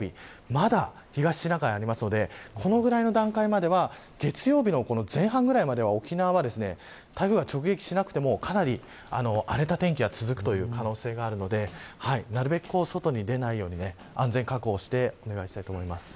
まだ、東シナ海にありますのでこのぐらいの段階までは月曜日前半ぐらいまでは沖縄は台風が直撃しなくてもかなり荒れた天気が続く可能性があるのでなるべく、外に出ないように安全を確保してお願いしたいと思います。